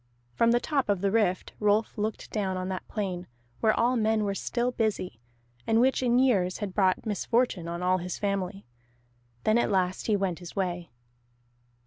From the top of the Rift Rolf looked down on that plain where all men were still busy, and which in years had brought misfortune on all his family. Then at last he went his way.